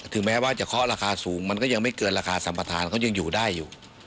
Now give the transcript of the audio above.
แม้ว่าจะเคาะราคาสูงมันก็ยังไม่เกินราคาสัมประธานเขายังอยู่ได้อยู่